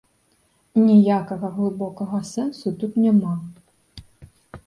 Ніякага глыбокага сэнсу тут няма.